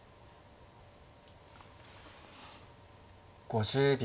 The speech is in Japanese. ５０秒。